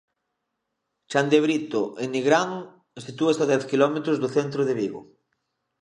Chandebrito, en Nigrán, sitúase a dez quilómetros do centro de Vigo.